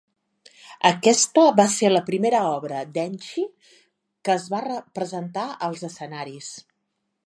Aquesta va ser la primera obra d'Enchi que es va representar als escenaris.